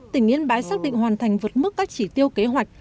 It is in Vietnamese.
tỉnh yên bái xác định hoàn thành vượt mức các chỉ tiêu kế hoạch